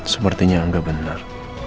sepertinya angga benar